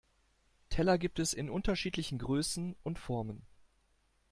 Teller gibt es in unterschiedlichen Größen und Formen.